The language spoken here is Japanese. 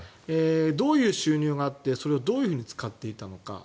どういう収入があってそれをどう使っていたのか。